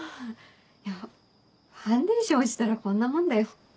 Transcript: いやファンデーション落ちたらこんなもんだよ。